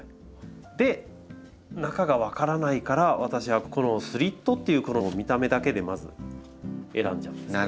で中が分からないから私はこのスリットっていう見た目だけでまず選んじゃうんですけど。